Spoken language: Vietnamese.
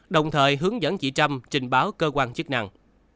đồng thời hướng dẫn chị trâm trình báo cơ quan chức năng